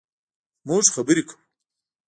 مونږ خبرې کوو